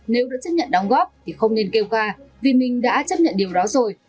nếu đã chấp nhận đóng góp thì không nên kêu ca vì mình đã chấp nhận điều đó rồi